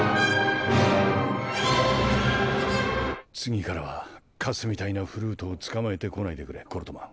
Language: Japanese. つぎからはカスみたいなフルートをつかまえてこないでくれコルトマン。